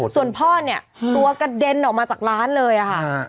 ส่วนพ่อเนี่ยตัวกระเด็นออกมาจากร้านเลยค่ะ